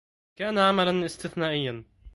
كان عملاً استثنائياً.